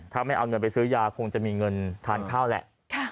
ถ้าไม่เอาเงินไปซื้อยาคงจะมีเงินทานข้าวแหละ